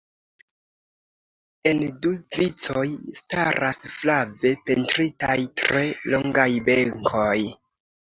En du vicoj staras flave pentritaj tre longaj benkoj.